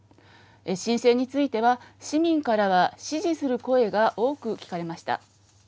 申請については市民からは支持する声が多く聞かれました。